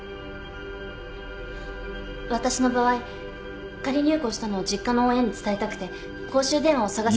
私の場合仮入校したのを実家の親に伝えたくて公衆電話を探し回った。